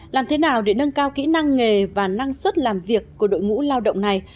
làm thế nào để nâng cao kỹ năng nghề và năng suất làm việc của đội ngũ lao động này